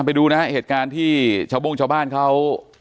ไปดูนะฮะเหตุการณ์ที่ชาวโบ้งชาวบ้านเขา